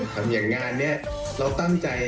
ทำอย่างงานเนี่ยเราต้นใจ